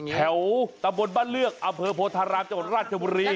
แถวตำบลบ้านเลือกอำเภอโพธารามจังหวัดราชบุรี